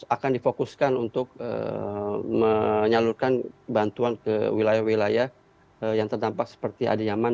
akan difokuskan untuk menyalurkan bantuan ke wilayah wilayah yang terdampak seperti adiyaman